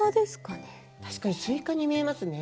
確かにスイカに見えますね。